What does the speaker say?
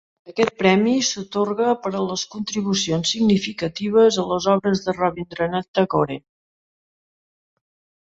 Aquest premi s'atorga per a les contribucions significatives a les obres de Rabindranath Tagore.